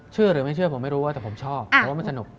เชื่อหรือไม่เชื่อผมไม่รู้ว่าแต่ผมชอบแต่ว่ามันสนุก